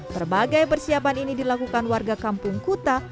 berbagai persiapan ini dilakukan warga kampung kuta